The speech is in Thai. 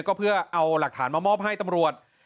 ก็เพื่อเอาหลักฐานมามอบให้ตำรวจ